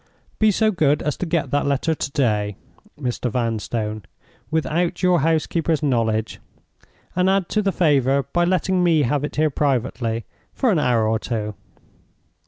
"Be so good as to get that letter to day, Mr. Vanstone, without your housekeeper's knowledge, and add to the favor by letting me have it here privately for an hour or two."